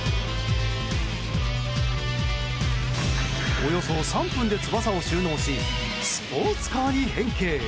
およそ３分で翼を収納しスポーツカーに変形。